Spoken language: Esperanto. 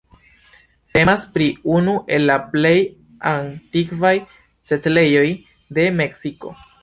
Temas pri unu el la plej antikvaj setlejoj de Meksiko.